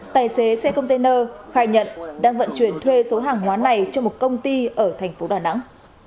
tài xế xe container khai nhận đang vận chuyển thuê số hàng hóa này cho một công ty ở thành phố đà nẵng